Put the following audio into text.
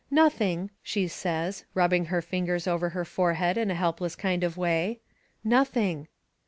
"Nothing," she says, rubbing her fingers over her forehead in a helpless kind of way, "nothing."